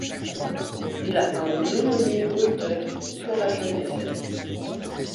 Il a un homonyme auteur pour la jeunesse.